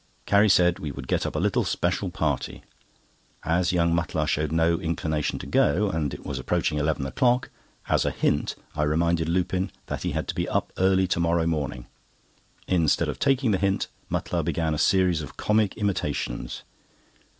Carrie said we would get up a little special party. As young Mutlar showed no inclination to go, and it was approaching eleven o'clock, as a hint I reminded Lupin that he had to be up early to morrow. Instead of taking the hint, Mutlar began a series of comic imitations.